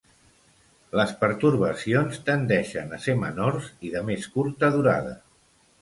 Les pertorbacions tendeixen a ser menors i de més curta durada.